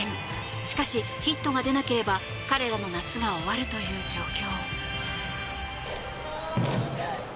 しかし、ヒットが出なければ彼らの夏は終わるという状況。